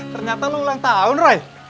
ternyata lo ulang tahun roy